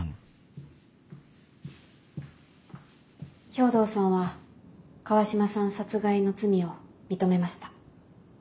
兵藤さんは川島さん殺害の罪を認めました。